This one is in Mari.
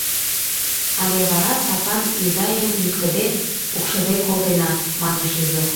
Але вара Сапан изайым йӱктыде, пукшыде колтена! — манеш Лизук.